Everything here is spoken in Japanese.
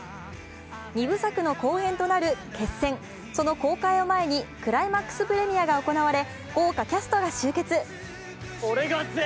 二部作の後編となる決戦、その公開を前に、クライマックスプレミアが行われ豪華キャストが集結。